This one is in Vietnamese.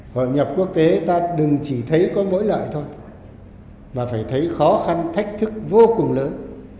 hội nhập quốc tế ta đừng chỉ thấy có mỗi lợi thôi mà phải thấy khó khăn thách thức vô cùng lớn